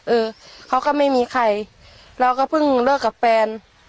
เออเขาก็ไม่มีใครเราก็เพิ่งเลิกกับแฟน